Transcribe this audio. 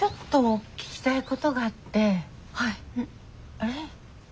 あれ？